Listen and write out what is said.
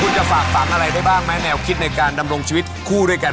คุณจะฝากฝังอะไรได้บ้างไหมแนวคิดในการดำรงชีวิตคู่ด้วยกัน